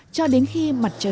cho đến khi mặt trời đông